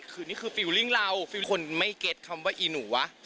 คือนี่คือฟิลลิ่งเราฟิลคนไม่เก็ตคำว่าอีหนูวะ